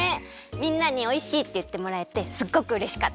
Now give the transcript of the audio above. みんなにおいしいっていってもらえてすっごくうれしかった。